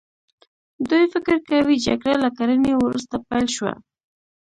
دوی فکر کوي جګړه له کرنې وروسته پیل شوه.